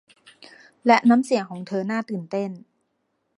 และน้ำเสียงของเธอน่าตื่นเต้น